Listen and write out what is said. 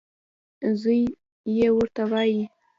زوی یې ورته وايي: